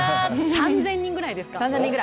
３０００人ぐらいですか。